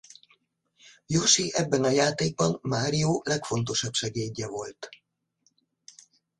Yoshi ebben a játékban Mario legfontosabb segédje volt.